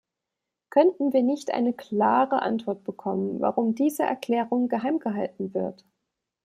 Könnten wir nicht eine klare Antwort bekommen, warum diese Erklärung geheimgehalten wird?